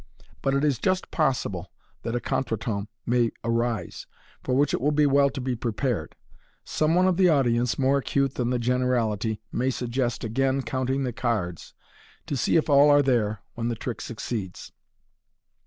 But it is just possible that a contretemps may arise, for which it will be well to be prepared Some one of the audience, more acute than the generality, may sug gest again counting the cards, to see if all are there when the trick succeeds.